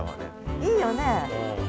いいよね。